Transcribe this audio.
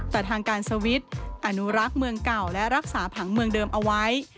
แต่ทางการสวิตช์อนุรักษ์เมืองเก่าและรักษาผังเมืองเดิมเอาไว้